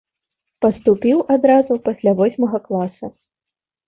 Паступіў адразу пасля восьмага класа.